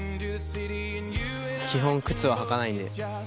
基本靴は履かないんで。